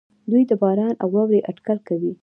دوی د باران او واورې اټکل کوي.